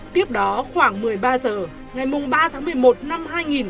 tiếp đó khoảng một mươi ba giờ ngày ba tháng một mươi một năm hai nghìn hai mươi hai